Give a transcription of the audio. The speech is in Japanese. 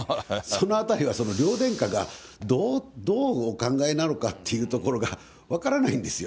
そのあたりは、両殿下がどうお考えなのかというところが、分からないんですよ。